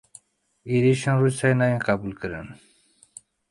Êrişên Rûsyayê nayên qebûlkirin.